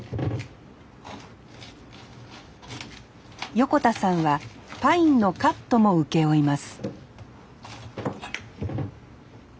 横田さんはパインのカットも請け負います